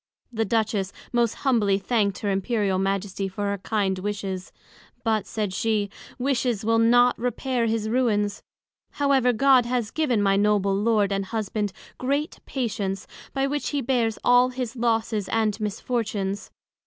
The Duchess most humbly thank'd her Imperial Majesty for her kind wishes; but, said she, Wishes will not repair his ruins: however, God has given my Noble Lord and Husband great Patience, by which he bears all his losses and misfortunes.